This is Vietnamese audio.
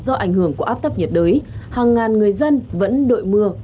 do ảnh hưởng của áp thấp nhiệt đới hàng ngàn người dân vẫn đội mưa